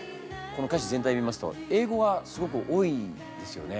この歌詞全体を見ますと英語がすごく多いですよね。